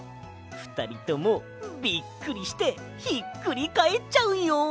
ふたりともびっくりしてひっくりかえっちゃうよ。